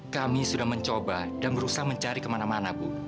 kami sudah mencoba dan berusaha mencari kemana mana bu